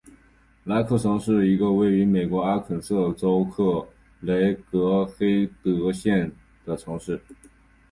莱克城是一个位于美国阿肯色州克雷格黑德县的城市。